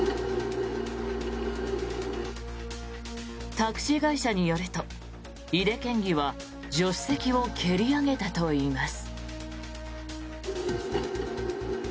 タクシー会社によると井手県議は助手席を蹴り上げたといいます。